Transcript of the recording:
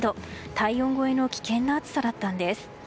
体温超えの危険な暑さだったんです。